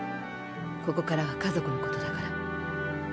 ここからは家族のことだから。